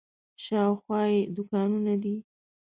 شاوخوا یې دوکانونه دي.